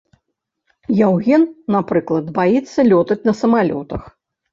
Яўген, напрыклад, баіцца лётаць на самалётах.